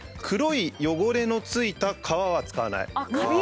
黒い汚れのついた皮は使わない。